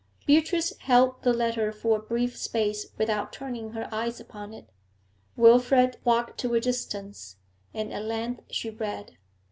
Beatrice held the letter for a brief space without turning her eyes upon it. Wilfrid walked to a distance, and at length she read.